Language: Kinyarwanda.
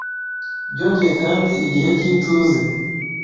Byongeye kandi igihe cy’ituze